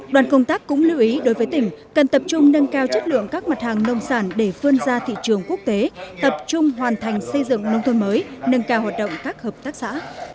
đoàn công tác cũng lưu ý đối với tỉnh cần tập trung nâng cao chất lượng các mặt hàng nông sản để phương ra thị trường quốc tế tập trung hoàn thành xây dựng nông thôn mới nâng cao hoạt động các hợp tác xã